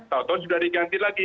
tau tau sudah diganti lagi